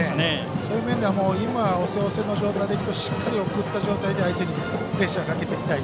そういう意味では押せ押せの状態でしっかり送った状態で相手にプレッシャーをかけていきたい。